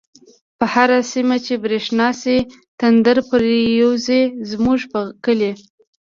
په هر سيمه چی بريښنا شی، تندر پر يوزی زموږ په کلی